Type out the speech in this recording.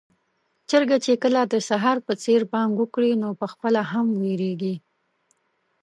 چرګ چې کله د سهار په څېر بانګ وکړي، نو پخپله هم وېريږي.